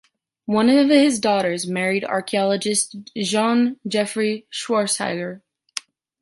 One of his daughters married archaeologist Jean Geoffroy Schweighaeuser.